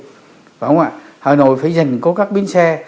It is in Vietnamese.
phải không ạ hà nội phải dành cố gắng biến xe